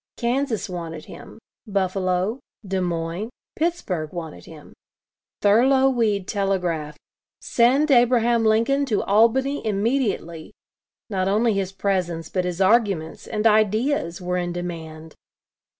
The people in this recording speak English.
Kansas wanted him; Buffalo, Des Moines, Pittsburgh wanted him; Thurlow Weed telegraphed: "Send Abraham Lincoln to Albany immediately." Not only his presence, but his arguments, and ideas, were in demand.